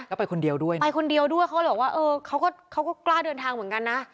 ก็ไปคนเดียวด้วยไปคนเดียวด้วยเขาเลยบอกว่าเออเขาก็เขาก็กล้าเดินทางเหมือนกันนะ